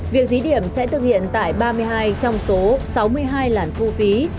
việc thí điểm sẽ thực hiện tại ba mươi hai trong số sáu mươi hai làn thu phí